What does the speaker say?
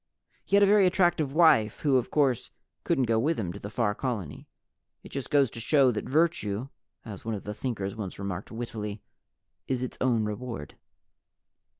He had a very attractive wife, who of course couldn't go with him to the Far Colony. It just goes to show that virtue (as one of the Thinkers once remarked wittily) is its own reward.